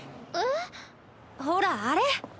ほらあれ。